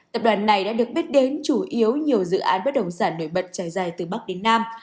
tập đoàn này đã được biết đến chủ yếu nhiều dự án bất động sản nổi bật trải dài từ bắc đến nam